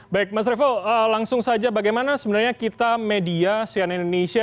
baik mas revo langsung saja bagaimana sebenarnya kita media sian indonesia